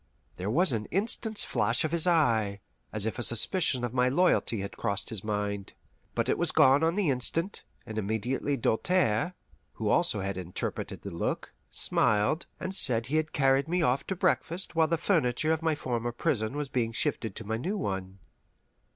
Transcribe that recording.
There was an instant's flash of his eye, as if a suspicion of my loyalty had crossed his mind; but it was gone on the instant, and immediately Doltaire, who also had interpreted the look, smiled, and said he had carried me off to breakfast while the furniture of my former prison was being shifted to my new one.